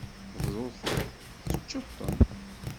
Bḍu-ten, teččeḍ-ten.